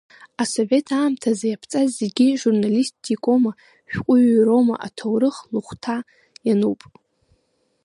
Асовет аамҭазы иаԥҵаз зегьы журналистикоума, шәҟәҩыроума аҭоурых лыхәҭа иануп.